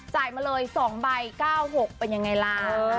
มาเลย๒ใบ๙๖เป็นยังไงล่ะ